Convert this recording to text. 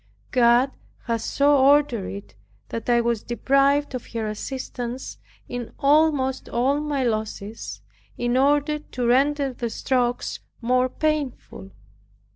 God has so ordered it that I was deprived of her assistance in almost all my losses, in order to render the strokes more painful.